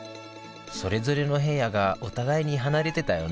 それぞれの部屋がお互いに離れてたよね